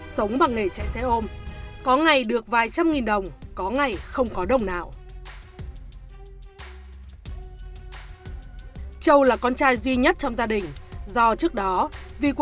sống với một người đàn ông tôi không biết vì sao lại xảy ra cơ sự như vậy